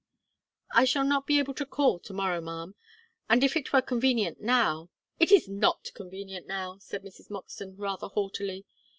"I shall not be able to call to morrow, ma'am; and if it were convenient now " "It is not convenient now!" said Mrs. Morton, rather haughtily.